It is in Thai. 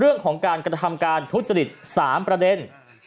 เรื่องของการกระทำการทุจริต๓ประเด็น